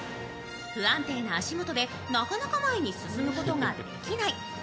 不安定な足元でなかなか前に進むことができない。